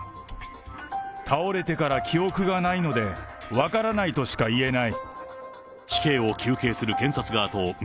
倒れてから記憶がないので、分からないとしか言えない。